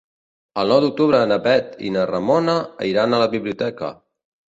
El nou d'octubre na Bet i na Ramona iran a la biblioteca.